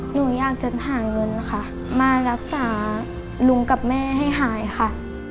หนูอยากจะหาเงินค่ะมารักษาลุงกับแม่ให้หายค่ะ